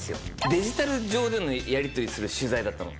デジタル上でのやり取りする取材だったの。